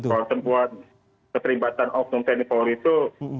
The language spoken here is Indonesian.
jadi kalau temuan keterlibatan tni polri itu